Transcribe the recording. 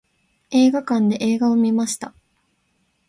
映画館で映画を観ました。